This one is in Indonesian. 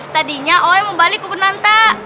tadinya oi mau balik ke penantang